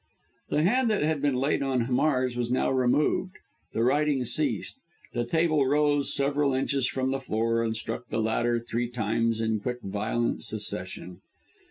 The hand that had been laid on Hamar's was now removed. The writing ceased. The table rose several inches from the floor, and struck the latter three times in quick, violent succession.